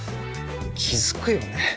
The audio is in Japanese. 気づくよね